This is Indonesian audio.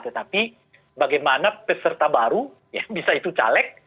tetapi bagaimana peserta baru bisa itu caleg